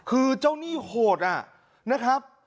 คือเจ้าหนี้โหดนะครับ